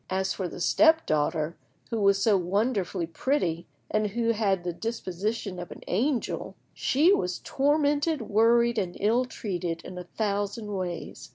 As for the step daughter, who was so wonderfully pretty, and who had the disposition of an angel, she was tormented, worried, and ill treated in a thousand ways.